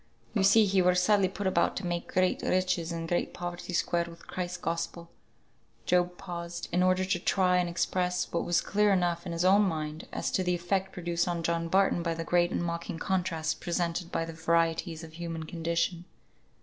You see he were sadly put about to make great riches and great poverty square with Christ's Gospel" Job paused, in order to try and express what was clear enough in his own mind, as to the effect produced on John Barton by the great and mocking contrasts presented by the varieties of human condition.